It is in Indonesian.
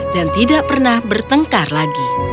dan tidak pernah bertengkar lagi